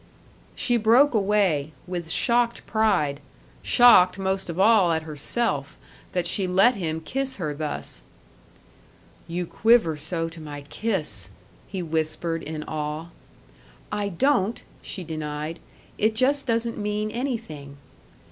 She broke away, with shocked pride shocked most of all at herself, that she let him kiss her thus. "You quiver so to my kiss!" he whispered, in awe. "I don't!" she denied. "It just doesn't mean anything."